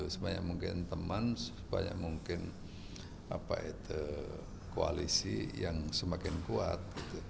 sebanyak mungkin koalisi yang semakin kuat